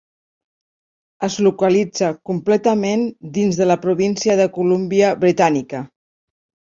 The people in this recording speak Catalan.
Es localitza completament dins de la província de Columbia Britànica.